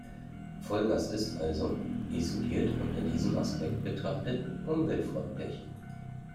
Vollgas ist also – isoliert unter diesem Aspekt betrachtet – umweltfreundlich.